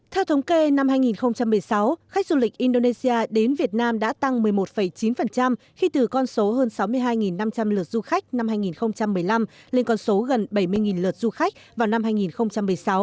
theo thống kê năm hai nghìn một mươi sáu khách du lịch indonesia đến việt nam đã tăng một mươi một chín khi từ con số hơn sáu mươi hai năm trăm linh lượt du khách năm hai nghìn một mươi năm lên con số gần bảy mươi lượt du khách vào năm hai nghìn một mươi sáu